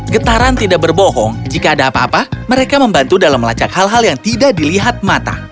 getaran tidak berbohong jika ada apa apa mereka membantu dalam melacak hal hal yang tidak dilihat mata